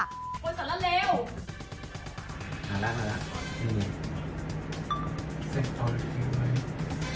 ก็พาคนสระเลว